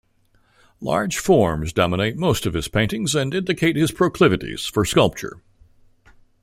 Large forms dominate most of his paintings and indicate his proclivities for sculpture.